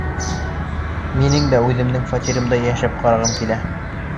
Минең дә үҙ фатирымда йәшәп ҡарағым килә.